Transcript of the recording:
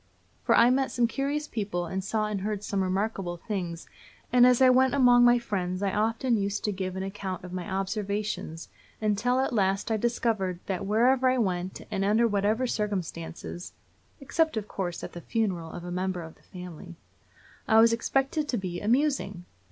For I met some curious people, and saw and heard some remarkable things; and as I went among my friends I often used to give an account of my observations, until at last I discovered that wherever I went, and under whatever circumstances (except, of course, at the funeral of a member of the family), I was expected to be amusing!